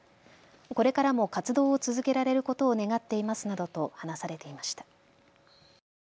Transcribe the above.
これからも活動を続けられることを願っていますなどと話されていました。